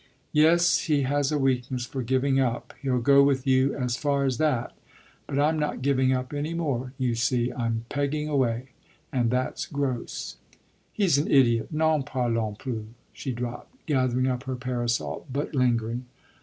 "Yes, he has a weakness for giving up he'll go with you as far as that. But I'm not giving up any more, you see. I'm pegging away, and that's gross." "He's an idiot n'en parlons plus!" she dropped, gathering up her parasol but lingering.